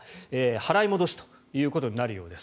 払い戻しということになるようです。